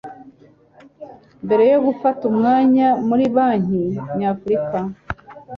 mbere yo gufata umwanya muri Banki Nyafurika